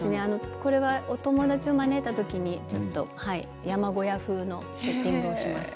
これは、お友達を招いたときに山小屋風のセッティングをしました。